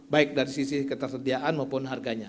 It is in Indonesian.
baik dari sisi ketersediaan maupun harganya